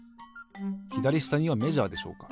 ひだりしたにはメジャーでしょうか？